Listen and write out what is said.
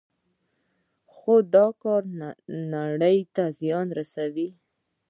خو دا کار نړۍ ته زیان رسوي.